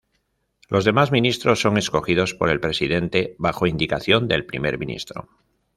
Los demás ministros son escogidos por el presidente bajo indicación del primer ministro.